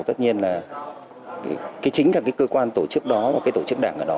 tất nhiên là chính là cơ quan tổ chức đó và tổ chức đảng ở đó